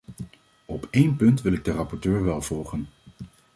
Op één punt wil ik de rapporteur wel volgen.